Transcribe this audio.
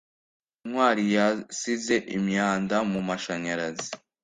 ntwali yasize imyanda mumashanyarazi